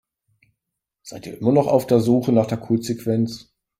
Seid ihr noch immer auf der Suche nach der Codesequenz?